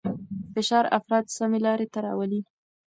فشار افراد سمې لارې ته راولي.